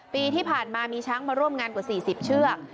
ปีที่ผ่านมามีช้างมาร่วมงานกว่า๔๐เชือก